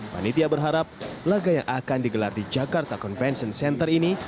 panitia berharap laga yang akan digelar di jakarta convention center ini